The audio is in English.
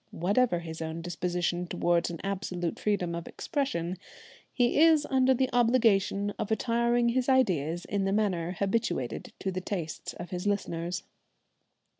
Whatever his own disposition towards an absolute freedom of expression, he is under the obligation of attiring his ideas in the manner habituated to the tastes of his listeners.